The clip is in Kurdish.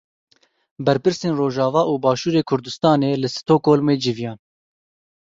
Berpirsên Rojava û Başûrê Kurdistanê li Stockholmê civiyan.